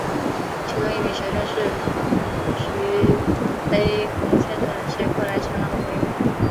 其中一名学生是徐悲鸿先生谁后来成了好朋友。